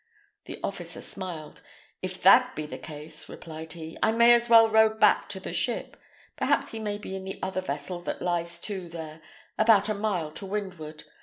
The officer smiled. "If that be the case," replied he, "I may as well row back to the ship. Perhaps he may be in the other vessel that lies to there, about a mile to windward.